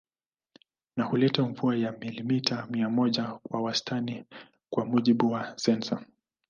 Na huleta mvua ya milimita mia moja kwa wastani kwa mujibu wa sensa